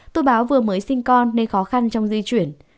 tôi báo vừa mới sinh con nên khó khăn trong di chuyển